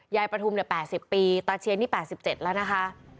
ยายประทุมเนี่ย๘๐ปีตาเชียนนี่๘๗แล้วนะคะ